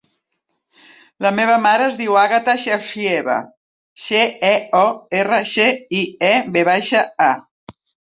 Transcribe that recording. La meva mare es diu Àgata Georgieva: ge, e, o, erra, ge, i, e, ve baixa, a.